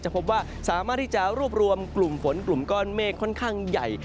พบว่าสามารถที่จะรวบรวมกลุ่มฝนกลุ่มก้อนเมฆค่อนข้างใหญ่